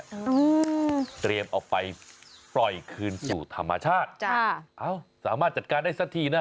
เออเตรียมออกไปปล่อยคืนสู่ธรรมชาติค่ะสามารถจัดการได้ซักที